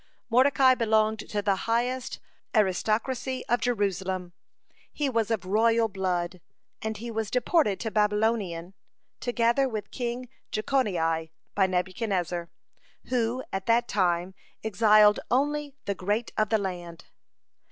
(63) Mordecai belonged to the highest aristocracy of Jerusalem, he was of royal blood, and he was deported to Babylonian together with King Jeconiah, by Nebuchadnezzar, who at that time exiled only the great of the land.